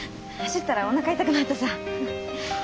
走ったらおなか痛くなったさぁ。